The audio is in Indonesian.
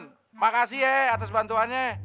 terima kasih ya atas bantuannya